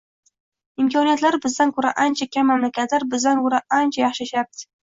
imkoniyatlari bizdan ko‘ra ancha kam mamlakatlar bizdan ko‘ra ancha yaxshi yashashyapti.